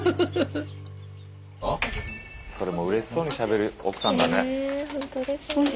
それもうれしそうにしゃべる奥さんだね。